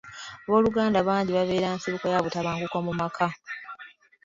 Abooluganda bangi babeera nsibuko ya butabanguko mu maka.